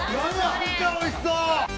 めっちゃおいしそう！